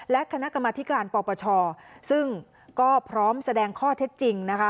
และคณะกรรมธิการปปชซึ่งก็พร้อมแสดงข้อเท็จจริงนะคะ